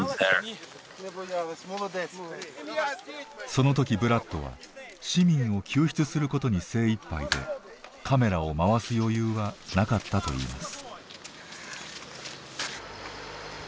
その時ブラッドは市民を救出することに精いっぱいでカメラを回す余裕はなかったといいます。